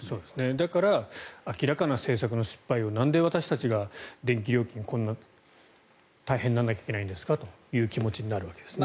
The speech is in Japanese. だから明らかな政策の失敗をなんで私たちが電気料金こんな大変にならなきゃいけないのという気持ちですね。